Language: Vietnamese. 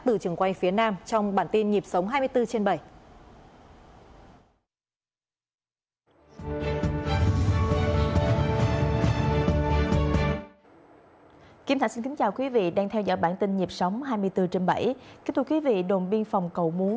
từ trường quay phim hồ tư liên quận tây hồ đã có